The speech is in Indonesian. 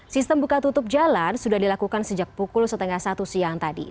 sistem buka tutup jalan sudah dilakukan sejak pukul setengah satu siang tadi